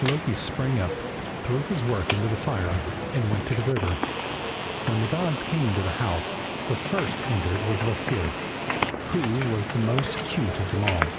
Loki sprang up, threw his work into the fire, and went to the river. When the gods came to the house, the first that entered was Kvasir, who was the most acute of them all.